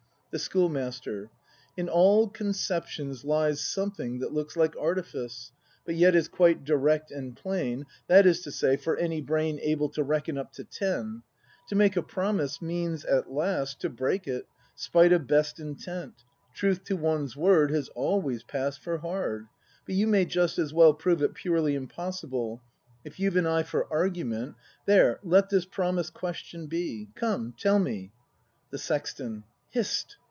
The Schoolmaster. In all conceptions lies Something that looks like artifice, But yet is quite direct and plain, — That is to say, for any brain Able to reckon up to ten. To make a promise means, at last. To break it, — spite of best intent; Truth to one's word has always pass'd For hard; but you may just as well Prove it purely impossible, — If you've an eye for argument. — There, let this Promise question be! Come tell me ! The Sexton. Hist!